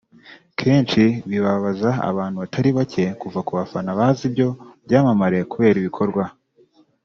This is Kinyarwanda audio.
kenshi bibabaza abantu batari bake kuva kubafana bazi ibyo byamamare kubera ibikorwa